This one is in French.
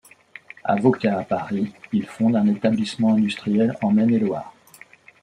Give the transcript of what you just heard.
Avocat à Paris, il fonde un établissement industriel en Maine-et-Loire.